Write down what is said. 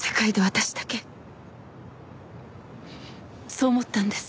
そう思ったんです。